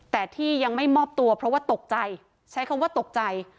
แต่ที่ยังไม่มอบตัวเพราะว่าตกใจใช้คำว่าตกใจ